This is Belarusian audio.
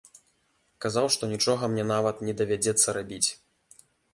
Казаў, што нічога мне нават не давядзецца рабіць.